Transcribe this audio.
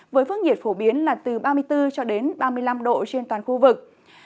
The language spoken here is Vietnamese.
với phương nhiệt phổ biến là từ ba mươi bốn ba mươi năm độ trên toàn khu vực